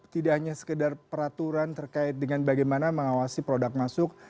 tidak hanya sekedar peraturan terkait dengan bagaimana mengawasi produk masuk